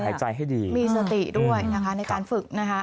หายใจให้ดีมีสติด้วยนะคะในการฝึกนะคะ